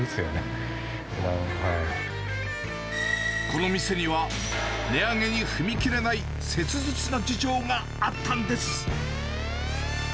この店には、値上げに踏み切れない切実な事情があったんです。